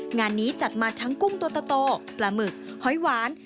งานนี้จัดมาทั้งกุ้งตัวโตปลาหมึกหอยหวาน